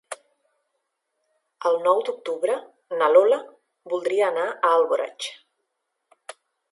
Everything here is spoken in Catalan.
El nou d'octubre na Lola voldria anar a Alboraig.